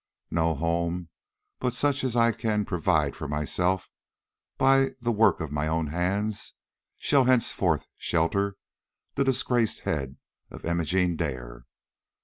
No home but such as I can provide for myself by the work of my own hands shall henceforth shelter the disgraced head of Imogene Dare.